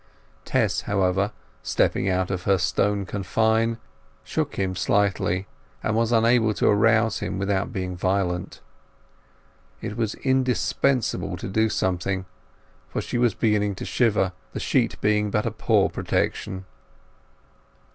Tess, however, stepping out of her stone confine, shook him slightly, but was unable to arouse him without being violent. It was indispensable to do something, for she was beginning to shiver, the sheet being but a poor protection.